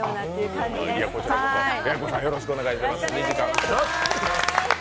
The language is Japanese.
こちらこそ２時間よろしくお願いします。